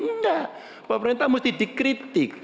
enggak pemerintah mesti dikritik